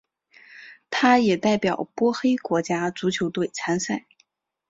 他也代表波黑国家足球队参赛。